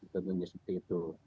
tentunya seperti itu